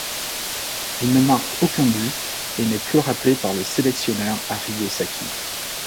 Il ne marque aucun but et n'est plus rappelé par le sélectionneur Arrigo Sacchi.